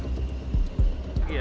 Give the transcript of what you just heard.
terima kasih ya pak